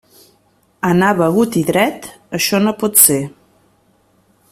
Anar begut i dret, això no pot ser.